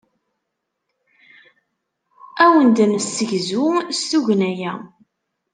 Ad awen-d-nessegzu s tugna-a.